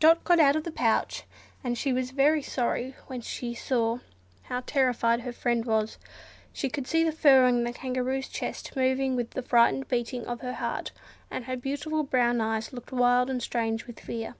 Dot got out of the pouch, and she was very sorry when she saw how terrified her friend looked. She could see the fur on the Kangaroo's chest moving with the frightened beating of her heart; and her beautiful brown eyes looked wild and strange with fear.